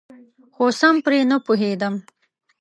خو سم پرې نپوهیدم.